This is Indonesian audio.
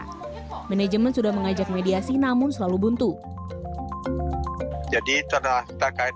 klinik sebagai penyedia jasa manajemen sudah mengajak mediasi namun selalu buntu jadi terkait